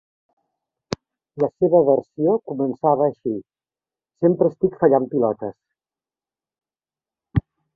La seva versió començava així: sempre estic fallant pilotes.